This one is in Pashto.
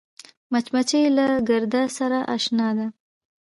مچمچۍ له ګرده سره اشنا ده